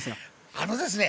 あのですね